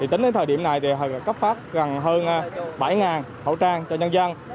tính đến thời điểm này cấp phát gần hơn bảy khẩu trang cho nhân dân